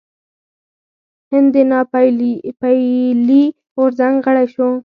هند د ناپیيلي غورځنګ غړی شو.